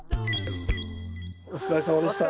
お疲れさまでした。